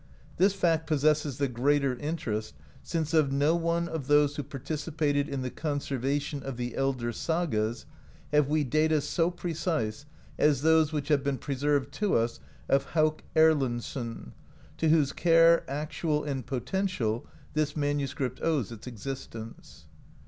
This fact possesses the greater interest since of no one of those who participated in the conservation of the elder sagas, have we data so precise as those which have been preserved to us of Hauk Erlendsson, to whose care, actual and potential, this manuscript owes its existence.